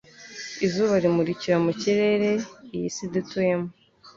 Izuba rimurikira mu kirere, iyi si dutuyeho,